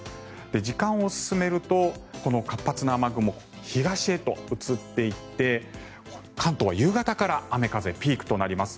時間を進めると、この活発な雨雲東へと移っていって関東は夕方から雨風、ピークとなります。